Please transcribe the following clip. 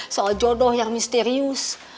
soal jodoh yang misterius